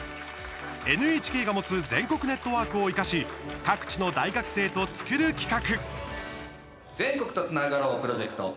ＮＨＫが持つ全国ネットワークを生かし各地の大学生と作る企画。